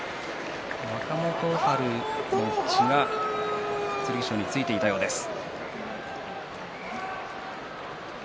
若元春の血が剣翔についていたようです。